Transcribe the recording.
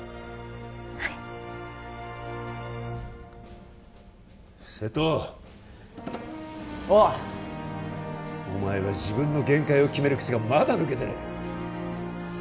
はい瀬戸おうお前は自分の限界を決める癖がまだ抜けてねえ